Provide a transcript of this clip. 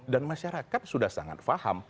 dan masyarakat sudah sangat paham